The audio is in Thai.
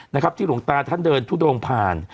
นะครับที่หลวงตาท่านเดินทุดงผ่าน